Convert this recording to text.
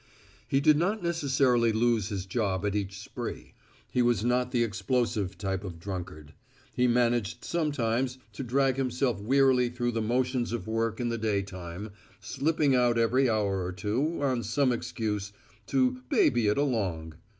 He did not necessarily lose his job at each spree. He was not the explosive type of drunkard. He managed sometimes to drag himself wearily through the motions of work in the day time, slipping out every hour or two, on some excuse, to "baby it along."